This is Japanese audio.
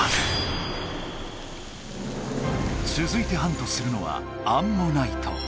つづいてハントするのはアンモナイト。